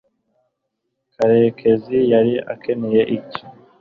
karekezi yari akeneye iki